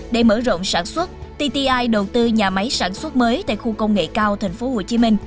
để mở rộng sản xuất tti đầu tư nhà máy sản xuất mới tại khu công nghệ cao tp hcm